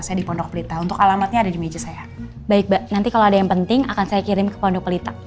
saya pengen tanya deh sama kamu